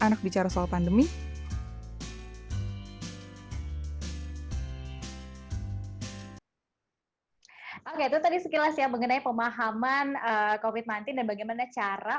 berbicara soal pandemi itu tadi sekilas yang mengenai pemahaman covid sembilan belas dan bagaimana cara